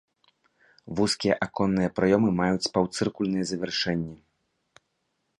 Вузкія аконныя праёмы маюць паўцыркульныя завяршэнні.